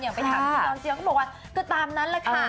อย่างไปถามจียอนก็บอกว่าก็ตามนั้นแหละค่ะ